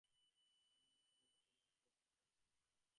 সে মনেপ্রাণে একটা বাচ্চা চাইতো।